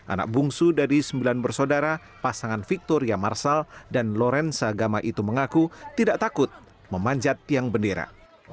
anak bungsu dari sembilan bersaudara pasangan victoria marsal dan lorensa gama itu mengaku tidak takut memanjat tiang bendera